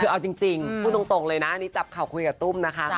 คือเอาจริงพูดตรงเลยนะอันนี้จับเข่าคุยกับตุ้มนะคะ